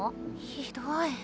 ひどい。